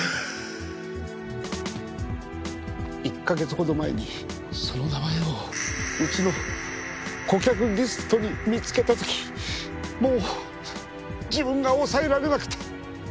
１カ月ほど前にその名前をうちの顧客リストに見つけた時もう自分が抑えられなくて。